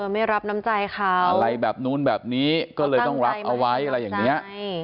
ไม่รับน้ำใจเขาอะไรแบบนู้นแบบนี้ก็เลยต้องรับเอาไว้อะไรอย่างนี้